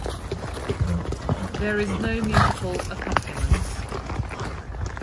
There is no musical accompaniments.